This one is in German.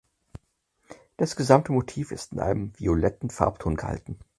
Das gesamte Motiv ist in einem violetten Farbton gehalten.